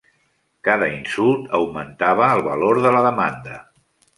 Cada insult augmentava el valor de la demanda.